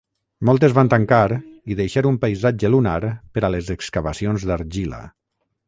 Moltes van tancar i deixar un paisatge lunar per a les excavacions d'argila.